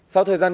sau thời gian